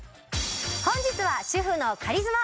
本日は主婦のカリスマ